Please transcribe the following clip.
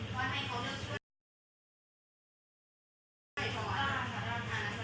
เขาบอกมันเป็นเหลักไซต์ใช่ปะ